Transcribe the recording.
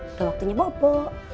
udah waktunya bobo